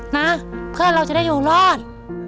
นะเพื่อนเราจะได้อยู่รอด